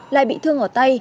lại bị thương ở tay